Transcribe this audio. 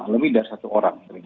lebih dari satu orang